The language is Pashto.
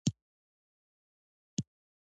سیلابونه د افغانانو د ګټورتیا یوه مهمه برخه ده.